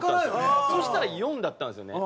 そしたら４だったんですよね。